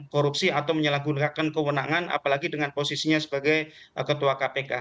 korupsi atau menyalahgunakan kewenangan apalagi dengan posisinya sebagai ketua kpk